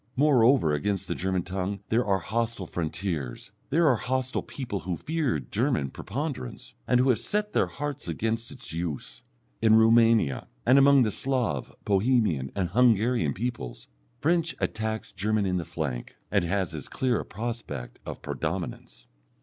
Moreover, against the German tongue there are hostile frontiers, there are hostile people who fear German preponderance, and who have set their hearts against its use. In Roumania, and among the Slav, Bohemian, and Hungarian peoples, French attacks German in the flank, and has as clear a prospect of predominance.